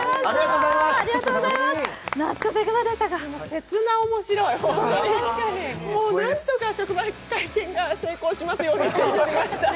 切な面白い、なんとか職場体験が成功しますようにと祈りました。